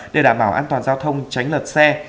để đảm bảo an toàn giao thông tránh lật xe